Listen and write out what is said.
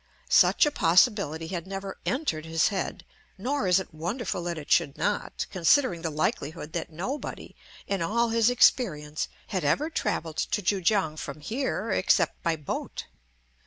Such a possibility had never entered his head; nor is it wonderful that it should not, considering the likelihood that nobody, in all his experience, had ever travelled to Kui kiang from here except by boat.